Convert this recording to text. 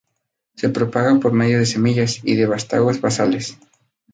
Se propaga por medio de semillas y de vástagos basales.